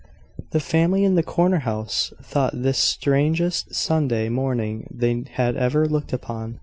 The family in the corner house thought this the strangest Sunday morning they had ever looked upon.